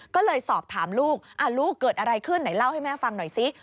ก็เลยสอบถามลูกลูกเกิดอะไรขึ้นไหนเล่าให้แม่ฟังหน่อยซิ